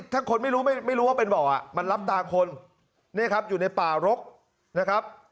ถ้าคนไม่รู้ไม่รู้ว่าเป็นบ่อมันรับตาคนนี่ครับอยู่ในป่ารกนะครับ